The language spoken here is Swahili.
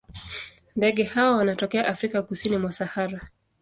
Ndege hawa wanatokea Afrika kusini mwa Sahara.